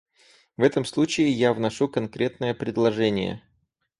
В этом случае я вношу конкретное предложение.